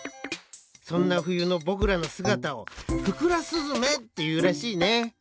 そんなふゆのぼくらのすがたを「ふくらすずめ」っていうらしいね。